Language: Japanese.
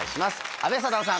阿部サダヲさん。